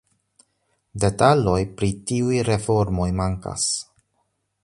Detaloj pri tiuj reformoj mankas.